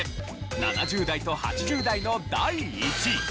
７０代と８０代の第１位。